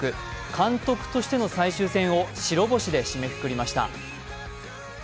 監督としての最終戦を白星で締めくくりました。